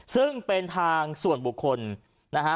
ซึ่งเป็นทางส่วนบุคคลนะฮะ